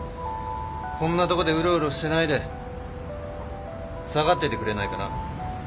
こんなとこでウロウロしてないで下がっててくれないかな。